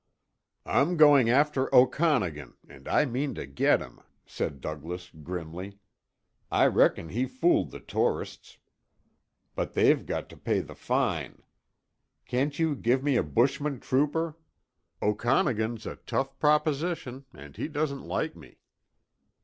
"I'm going after Okanagan and I mean to get him," said Douglas grimly. "I reckon he fooled the tourists, but they've got to pay the fine. Can't you give me a bushman trooper? Okanagan's a tough proposition and he doesn't like me."